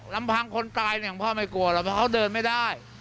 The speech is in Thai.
ลำพังคนตายเนี่ยพ่อไม่กลัวหรอกเพราะเขาเดินไม่ได้